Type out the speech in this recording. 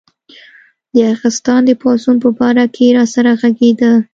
د ارغستان د پاڅون په باره کې راسره غږېده.